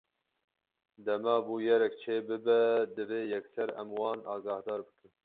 Dema bûyerek çêbibe, divê yekser em wan agahdar bikin.